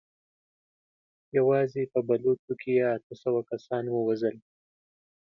يواځې په بلوڅو کې يې اته سوه کسان ووژل.